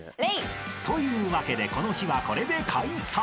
［というわけでこの日はこれで解散］